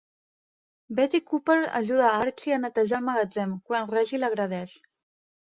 Betty Cooper ajuda a Archie a netejar el magatzem, quan Reggie l'agredeix.